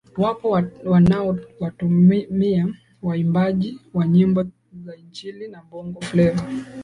wapo wanaowatumia waimbaji wa nyimbo za injili na bongo fleva